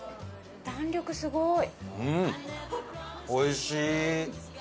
弾力すごい！